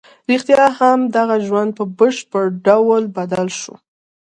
رښتیا هم د هغه ژوند په بشپړ ډول بدل شو